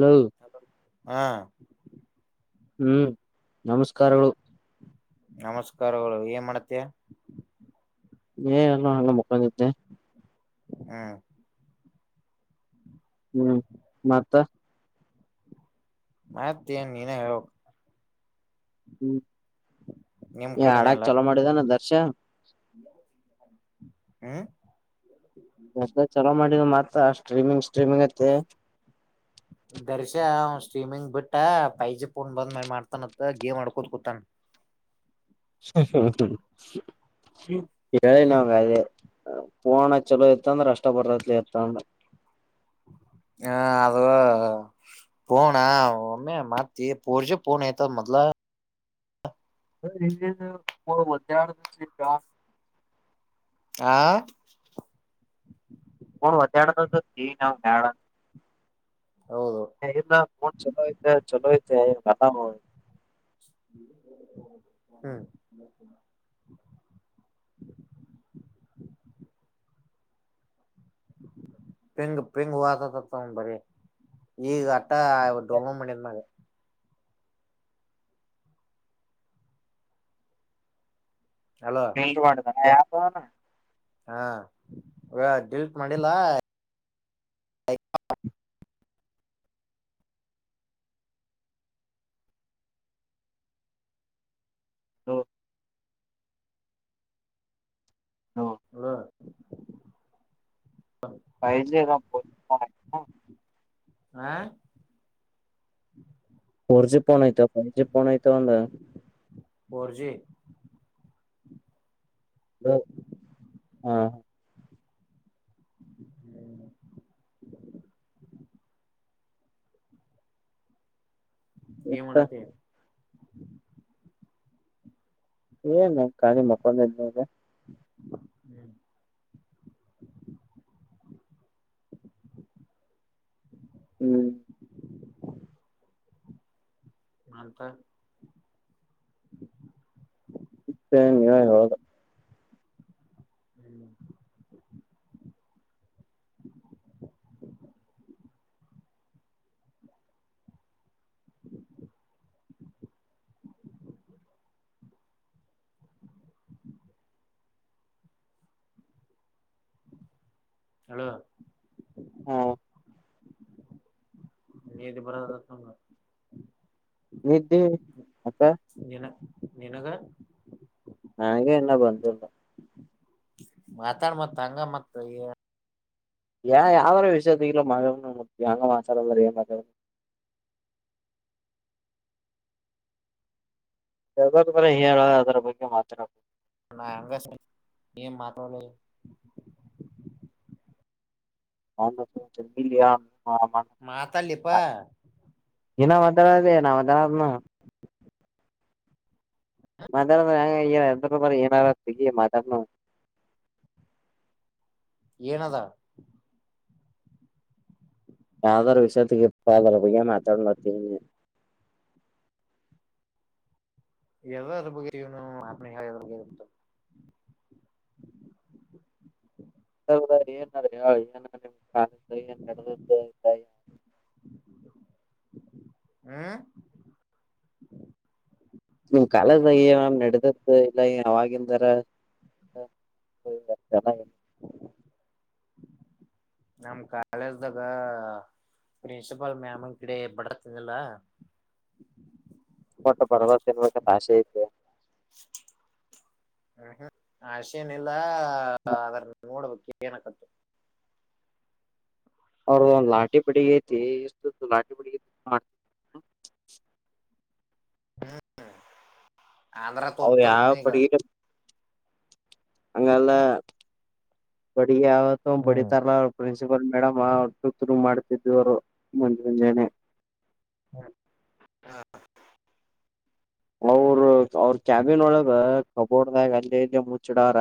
ಹಲ ಹಾ ಹ್ಮ್ ನಮಸ್ಕಾರಗಳು ನಮಸ್ಕಾರಗಳು ಏನ್ ಮಾಡತ ಏ ಎಲ್ಲ ಹಲ್ಲ ಮುಕ್ಕಂದಿದ್ದೆ ಹ್ಮ ಹ್ಮ್ ಮತ್ತ ಮತ್ತೆಏನ್ ನೀನ ಹೇಳ ಹ್ಮ್ ನಿಮ್ ಕಡೆನೆ ಹಡಾಗ ಎಲ್ಲ ಚಲೋ ಮಾಡಿದಾನ ದರ್ಶ ಹ್ಮ ಸ್ಟ್ರಿಮಿಂಗ್ ಸ್ಟ್ರಿಮಿಂಗ್ ಇತ್ತ ದರ್ಶ ಸ್ಟ್ರೀಮಿಂಗ್ ಬಿಟ್ಟ ಪೈಜಿ ಪಫೋನ್ ಬಂದ್ ಮ ಮಾಡ್ತಾನತ್ತ ಗೇಮ್ ಆಡ್ಕೋತ್ ಕುೂತಾನ ಹ್ಮ್ ಎಳನಂಗ ಅ ಪೋಣ ಚಲೋ ಇತ್ತ ಅಂದ್ರೆ ಅಷ್ಟ ಬರ್ತ್ ಇತ್ತಂದ್ರ ಹ್ಮ ಅದು ಪಣ ಆ ಅೆ ಮತ್ತತಿ ಪೋರ್ಚ ಪಣ ತ ಮತ್ಲ ಇ ಬ ಒಾರ ಯಾ ಆ ಹ ಒಾರೆ ತ ಸ ಜವ ನ ನಳ ಹೌದು ಎ ಮನ್ ಚಲೋತ ಚಲೋಯತ ನತಾಮ ಹಾ್ ಪಿಂಗ ಪಿಂಂಗ ಹತತ ಬರಿ ಈಗ ಅಟಾ ಡೊಲ್ ಮಾಡನ್ನಿರ್ಂದಾಗ ಅಲೋ ನಿ ಮಾಡ ಯತ ಹಾ ಈ ಲ್ಟ್ ಮಾಡಿಲ್ಲ ಹೌ ಹ್ಮ ಪೆದ ಬ ಹಾ ಫೋರ್ ಜಿ ೋನ್ ಐ್ತ ಫೈವ್ ಜಿಫೋನ್ ಐ್ತ ಒಂದ ಫೋರ್ ಜಿ ಅ ಹಾ ಹ್ಮ್ ಇತ್ತ ಮತ ಏ ನ ಕಾಲ ಮಕ್ ಹ್ಮ್ ಹ್ಮ್ ಅಂತ ಸೇ ನೀವ ಹೋಗ ಹ್ಮ್ ಹಲ ಹ್ಮ ದು ಬರ ತ ನಿ ದಿನ ಅಕ ನಿನ ನಿನಗ ನನಗೆ ಇಲ್ಲ ಬಂದಿಲ್ಲ ಮಾತಾಡ ಮತ್ ಹಂಗ ಮತ್ ಏನ್ ಯಾವ್ದಾದರೋ ವಿಷಯತೆಲ್ಲ ಮಗ ಅಂಗ ಮಾತಾರಲ್ಲ ಮ ಹ ಯ ಬ ಹೇಳ ಅದ್ರ ಬಗ್ಗೆ ಮಾತನಾಡಕುದು ನ ಅಂಗಸ ಏಂ ಮಾತವಲ ಹ ಸ ನೀಿಲ್ಲ ಮಾತಲ್ಲಿಿಪ ಇನ್ನ ಮದರದ ನ ಮದರನ ಮದರ್ ಏನ ಸಿ ಮದರ್ನು ಏನದಾ ಯಾವದೋರ ವಿಷಯದ ಇಪ್ಪ ಅ ಆದರ ಬಾ ಮಾತಾಡ ಬತೀನ ಎಲ್ಲ ಅ ಬಗ್ನು ಹೇಳ ಹ ೌದ ಏನಾರ ಏನ ನಿಮ್ ಕಾಲ ಏನ್ ನ ಹ್ಮ ನಿಮ್ ಕಾಲದ್ಯಾಮ್ ನಡೆದದ್ದು ಇಲ್ಲ ಅವವಾಗಿಂದರ ಹ ನಮ್ ಕಾಳೇಜ್ದಾಗ ಪ್ರಿನ್ಸಿಪಾಲ್ ಮ್ಯಮನ್ ಕಡೆ ಬಡತಲ್ಲ ಪೋಟ್ಟ ಪರ್ವತಿನ್ಬೇಕ ತ ಆಶೆ ಐತೆ ಹ್ಮ್ ಹ್ಮ್ ಆಷೇನಿಲ್ಲ ಅದ್ರ ನೋಡ್ಬೇಕ ಏನಕತ್ತು ಅವರು ಒ್ ಲಾಠಿ ಬಿಡಿಗತಿ ಎಷ್ಟ ಲಾಠಿ ಬಿಗ ಮಾಡ ಹ್ಮ ಆಂಧ್ರ ಅವ್ ತೋತಗ ಯಾವ ಅಂಗಲ್ಲ ಬಡಿ ಯವತ್ತ ಬಡಿ ಹ್ಮ್ ತರಲ್ಲಾ ಪ ಮೇಡಮ್ ಆ ಮಾಡ್ತಿದವರು ಮುಂಜು ಮುಂಜಾನೆ ಹ ಹಾ ಅವರು ಅವ್ರ ಕ್ಯಾಬಿನ್ ಒಳದ ಕಬೋರ್ಡ್ದಾಗ ಅಲ್ಲಿ ಇಲ್ಲಿ ಮುಚ್ಚಿಡಾರ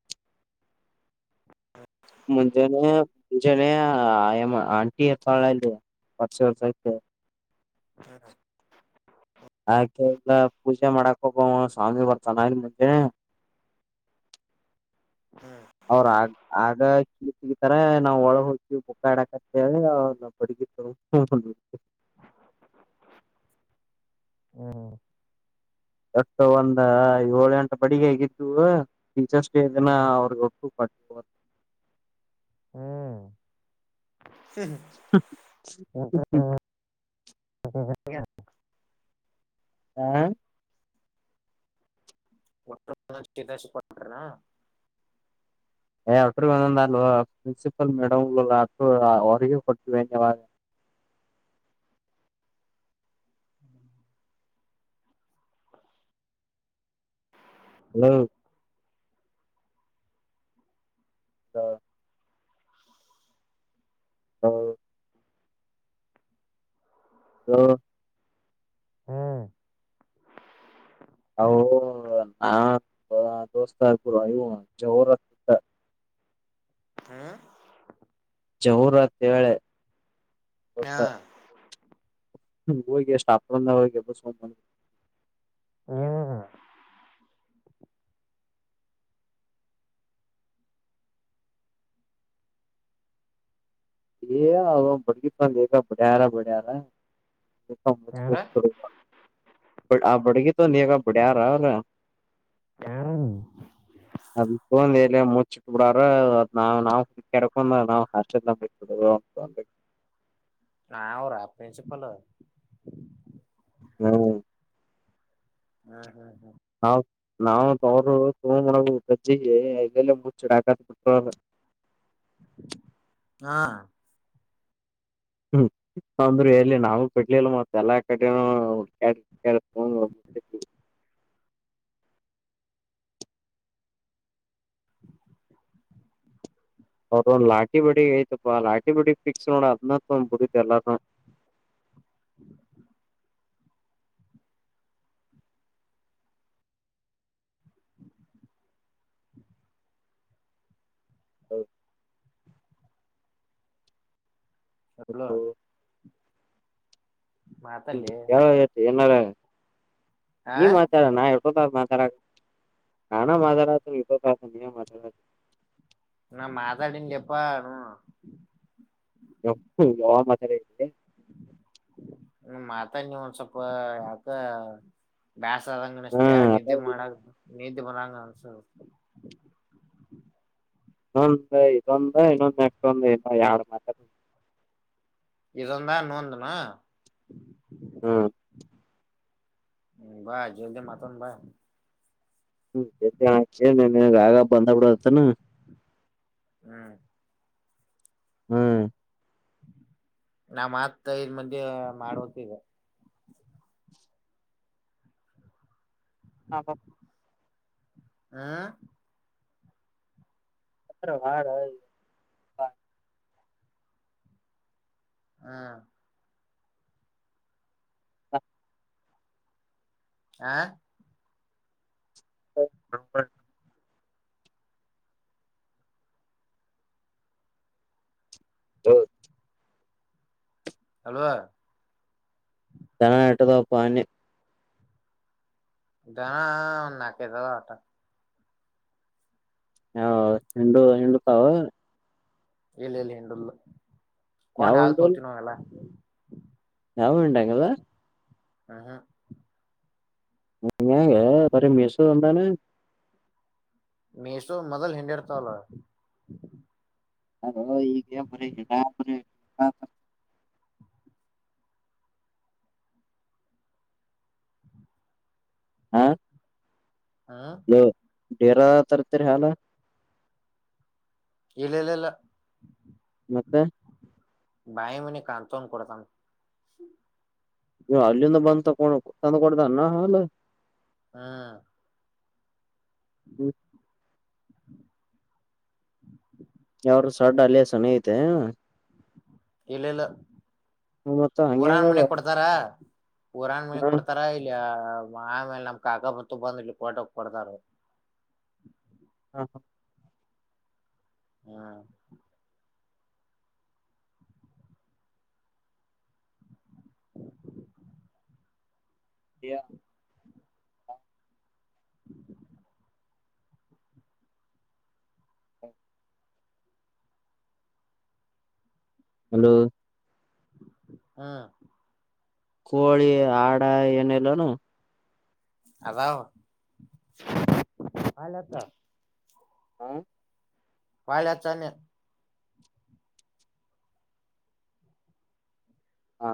ಹ ಮುಂಜೆ ಮುಜೆ ಆ ಆಂಟಿ ಅಥವಾಡಲ್ಲಿ ಪಾರ್ಸ ಸತ ಹ ಯೆ ಎಲ್ಲ ಪೂಜೆ ಮಾಡಕ್ ಹೋಗ ಸ್ವಾಮಿ ಬರ್ತಾನ ಇ ಮಂೆ ಅವ ಆ ಆಗ ಈ ತರ ನಾವವು ಒಳಗೆ ಹೋಗ್ವಿ ಬುಕ್ಕಾಡಾಕ ಾ ನಾ ಪಡಿಕ ತ ಹ್ಮ್ ಅಷ್ಟ ಒಂದ ಏಳು ಗಂಟ ಬಡಿಗೆ ಹೇಗಿದ್ದವು ಟೀಚರ್ಸ್ ಡೇ ದಿನ ಹ್ಮ್ ಅವ್ರಗ ಒಟ್ಟು ಪ ಹ್ಮ್ ಹಾ ಒಟ್ಟ ಎಾಚ ಪಡ್ರನಾ ಏ ಅ್ರ ಒಂದ ಅಲ್ವಾ ಪ್ರಿನ್ಸಿಪಾಲ್ ಮೇಡಮ್ ಅವ್ರಿಗೆ ಕೊಟ್ಟಾಗ ಹಲೋ ಹ ಹಾ ಹಲ ಹ್ಮ್ ಹ ಹಾ ದೋಸ್ತ ಪುರ ಅಯ್ಯೋ ಜೋರಗ್ತುತ್ತ ಹ್ಮ ಜಹುರತ್ಳೆ ಹಾ ಹ ಹೋಗಗೆಷ್ಟಾಪ್ರಂದ ಹಗೆ ಬ ಒ ಬತ ಬಡ್ಯಾರ ಬಡ್ಯಾರ ಯಾರ ಆ ಬಡಗಿ ತ ನೀಗ ಬಡ್ಯ ರ ಹ ಅದ ತ ಎ ಮುಚ್ಚಿಟ್ ಬಿಡಾರ ಅದ್ ನಾವ್ ನಾವ್ ಕೆರ್ಕೊಂಡ ನಾವ್ ಹ ಹ ನಾ ಅವರಾಪ್ಪೆಸಪ್ಪಲ ಹ್ಮ ಹ್ಮ್ ಹ್ಮ್ ಹ್ಮ ನಾವ್ ಅವರು ತುಗ ಗಜ್ಜಿಗೆ ಎಲ್ಲಲ್ಲ ಮುಚ್ಚಡ ಹಾಕತ್ ಬಿಟ ಹಾ ಹ್ಮ ಅಂದ್ರರು ಎಲಿ ನಾವ ಬಿಡ್ಲಿಲ್ಲ ಮತ್ ಎಲ್ಲಾ ಕಡೆಿ ಕೆಳಫ ಅವದೊ ಒಂದು ಲಾಠಿ ಬಡಿ ಐತಪ್ಪಾ ಆ ಲಾಠಿ ಬಡಿ ಫಿಕ್ಸ್ ನೋ ಅದ್ನ ಒಂದ್ ಬುಡತಿ ಎಲ್ಲಾರ ಹೌದು ಚಲೋ ಹ ಹ್ಮ್ ಮಾತಲ್ಲಿ ಯಾವ ಯ ಎನಾರ ಆ ಈ ಮಾತಾರ ನಾ ಹಕೋದ ನಾನ ಮಾದಾರತ ಇದು ಪ್ರಾಸ ನೀ ನಾ ಮಾತಾಡಿನ ಎಪ್ಪ ಯ ಮಾತ ಇದೆ ಹ್ಮ ಮಾತಾಡ್ ನೀವ ಒಂದ್ ಸ್ವಲ್ಪ ಯಾಕ ಬ್ಯಾಸ ಅ ಆದಂಗ ಹಾ ಅನಸ್ತೇ ಅದ ನಿದ್ದೆ ಮಾಡ ನೀಂತ ಬಂಗಸರ್ ನೊಂದ ಇದೊಂದು ಇನ್ನೊಂದ ನೆಕ್ದು ಇ ಯಡು ಮಾತ ಇದಂದಾ ನೋಂದಣ ಹ್ಮ ಹ್ಮ ಬಾಯ ಜಲ್ದಿ ಮಾತವನ್ ಬಾಯ ಹ್ಮ ಆಗ ಬಂದ ಬಿಡತಾನ ಹೂ ಹ ನಾ ಮತ್ ಇದು ಮಧ್ಯೆ ಮಾಡುವತಗ ಹ ಹ ಹ ಅ ವಾರ ಹೂ ಹ ಆ ಓ ಬರಬ ಹೌ ಅವ್ವ ಜನ ಎಟದಪ್ಪಾನಿ ಇದದಾನ ನಾಕ್ ಐದು ಆಟ ಹಾ ಹಿಂಡು ಹಿಂಡುತಾವೂ ಇಲ್ಲ ಇಲ್ಲಿ ಹಂಡಲ್ ಯಾವ ಕೊಂಡ್ ಹಾಲ್ತೋತ ನ ಎಲ್ಲ ಯಾವ್ ಊರು ಟ್ಯಾಂಕ್ ಅದ ಹ ಹಾ ಹಗೆ ಬ್ರ ಮೆಸು ಅಂದಾನೆ ಮೇಸೋ ಮೊದಲ್ ಹಿಂಡಡ್ತಳ ಅ ಈಗ ಮ್ರ ಇ ಹಾ ಹಾ ಡೇರ ತರ್ತರಿ ಹಲ್ಲ ಇಲ್ಲ ಇಲ್ಲಲ್ಲ ಮತ್ತೆ ನಾಯಿ ಮನೀ ಕಂತನ್ ಕೊಡತಾನ ನೀ ಹಿಂದ ಬಂದಂತ ತಂದ ಕೊಡತ ಹಲ್ಲ ಹೂ ಹ ಯಾರ್ ಸಡ್ ಅಲ್ಲಿಯ ಸನ ಐತೆ ಇಲ್ಲ ಇಲ್ಲ ಮತ್ತ ಊರಾನ್ ಹಂಗ್ಯಾಂಗದ ಮನೆ ಕೊಡ್ತಾರ ಪುರಾನ್ ಮನೆ ಕೊಡ್ತಾರ ಇಲ್ಲಿ ಆಮೇಲೆ ನಮ್ ಕಾಕ ಬತು ಬಂದ್ ಇ ಕೊಟ ಕೊಡ್ತಾರ ಹಾ ಹಾ ಹೂ ಯ [inaudible] ಹಲೋ ಹೂ ಕೋಳಿ ಆಡ ಏನಲ್ಲೋನು ಅದ ಹಾಲತ ಹಾ ಪಾಳ ಹಚ್ಚ ಅಂದೆ ಹಾ